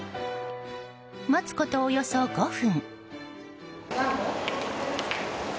待つことおよそ５分。